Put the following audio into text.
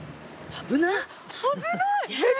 危ない！